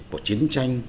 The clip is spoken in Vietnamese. của chiến tranh